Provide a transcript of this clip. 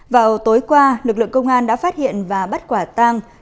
vào tối qua lực lượng công an đã phát hiện và bắt quả tang